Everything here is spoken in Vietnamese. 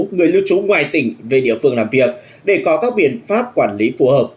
người lưu trú ngoài tỉnh về địa phương làm việc để có các biện pháp quản lý phù hợp